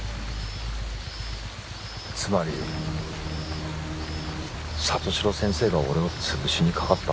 つまり里城先生が俺をつぶしにかかった？